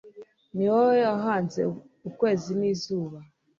ni wowe wahanze ukwezi n’izuba